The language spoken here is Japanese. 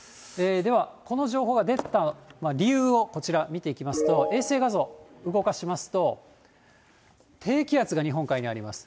では、この情報が出た理由をこちら、見ていきますと、衛星画像、動かしますと、低気圧が日本海にあります。